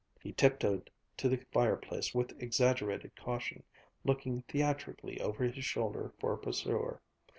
He tiptoed to the fireplace with exaggerated caution, looking theatrically over his shoulder for a pursuer.